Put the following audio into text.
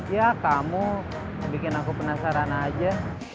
ya kamu bikin aku penasaran aja